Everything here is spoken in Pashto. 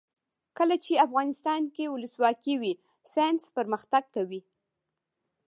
کله چې افغانستان کې ولسواکي وي ساینس پرمختګ کوي.